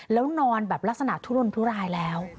แล้วนอนแบบลักษณะทุรนทุรายแล้ว